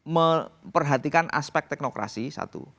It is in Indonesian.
memperhatikan aspek teknokrasi satu